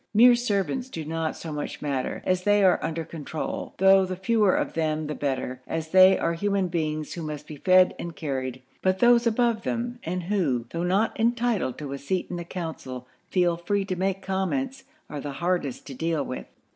Mere servants do not so much matter, as they are under control, though the fewer of them the better, as they are human beings who must be fed and carried; but those above them, and who, though not entitled to a seat in the council, feel free to make comments, are the hardest to deal with.